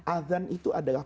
azan itu adalah